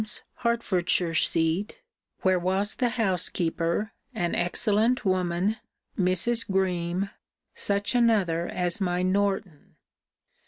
's Herfordshire seat, where was the housekeeper, an excellent woman, Mrs. Greme, such another as my Norton.